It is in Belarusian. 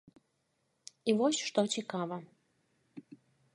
І вось што цікава.